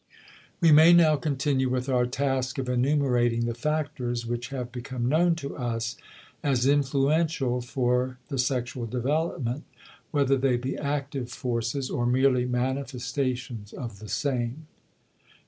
We may now continue with our task of enumerating the factors which have become known to us as influential for the sexual development, whether they be active forces or merely manifestations of the same.